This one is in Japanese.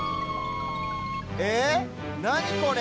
えなにこれ？